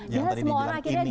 yang tadi dibilang gini gitu